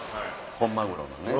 本マグロのね。